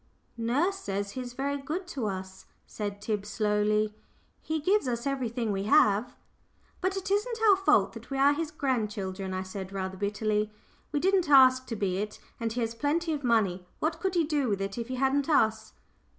"Nurse says he's very good to us," said Tib, slowly. "He gives us everything we have." "But it isn't our fault that we are his grandchildren," I said, rather bitterly. "We didn't ask to be it. And he has plenty of money what could he do with it if he hadn't us?"